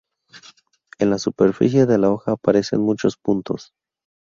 En la superficie de la hoja aparecen muchos puntos.